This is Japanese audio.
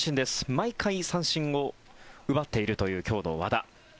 毎回三振を奪っているという今日の和田。